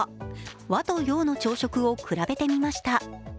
和と洋の朝食を比べてみました。